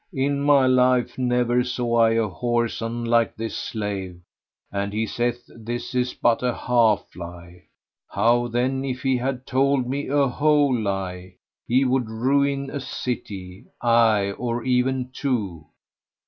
in my life never saw I a whoreson like this slave; and he saith this is but a half lie! How, then, if he had told me a whole lie? He would ruin a city, aye or even two."